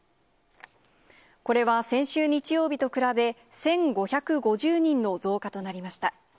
これは先週日曜日と比べ、１５５０人の増加となりました。